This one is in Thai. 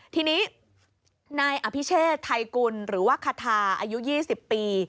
ทีนี้นายอภิเชษไทยกุลหรือว่าคาทาอายุ๒๐ปี